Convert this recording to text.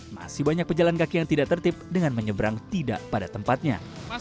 masih banyak pejalan kaki yang tidak tertip dengan menyeberang tidak pada tempatnya